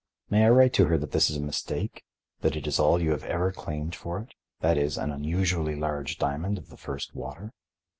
May I write to her that this is a mistake, that it is all you have ever claimed for it—that is, an unusually large diamond of the first water?"